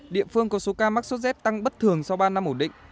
địa phương có số ca mắc số z tăng bất thường sau ba năm ổn định